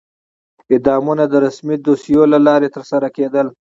اعدامونه د رسمي دوسیو له لارې ترسره کېدل.